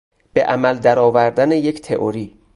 به عمل درآوردن یک تئوری